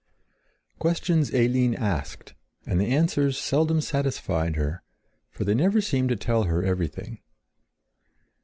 Questions Eline asked, and the answers seldom satisfied her, for they never seemed to tell her everything.